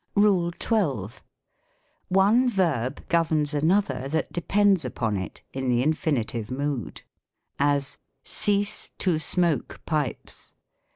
RULE xir. One verb governs another that depends upon it, in the infinitive mood: as, "Cease to smoke pipes."